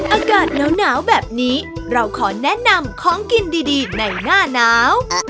อากาศหนาวแบบนี้เราขอแนะนำของกินดีในหน้าหนาว